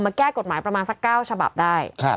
แก้กฎหมายประมาณสัก๙ฉบับได้